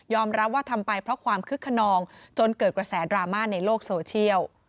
รับว่าทำไปเพราะความคึกขนองจนเกิดกระแสดราม่าในโลกโซเชียล